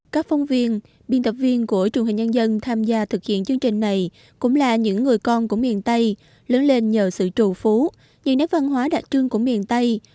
các phóng viên biên tập viên của truyền hình nhân dân tham gia thực hiện chương trình này cũng là những người con của miền tây lớn lên nhờ sự trù phú những nét văn hóa đặc trưng của miền tây